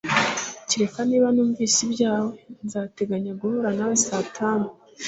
Keretse niba numvise ibyawe, nzateganya guhura nawe saa tanu.